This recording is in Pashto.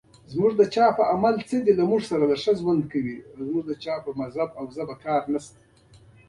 دغه نابرابره وضعیت د بېوزلو هېوادونو ژوند اغېزمنوي.